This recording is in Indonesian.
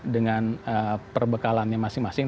dengan perbekalannya masing masing